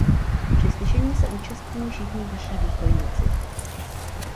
Při slyšení se účastní všichni vyšší důstojníci.